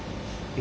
え？